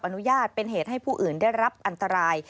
อนุญาตเป็นเหตุให้ผู้อื่นได้รับอันตราย